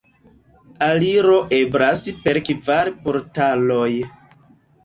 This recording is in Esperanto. Aliro eblas per kvar portaloj.